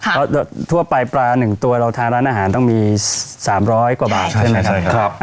เพราะทั่วไปปลา๑ตัวเราทานร้านอาหารต้องมี๓๐๐กว่าบาทใช่ไหมครับ